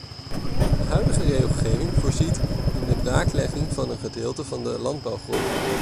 De huidige regelgeving voorziet in de braaklegging van een gedeelte van de landbouwgronden.